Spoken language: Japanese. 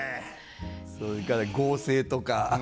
それから合成とか。